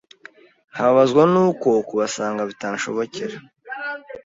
nkababazwa n’uko kubasanga bitanshobokera.”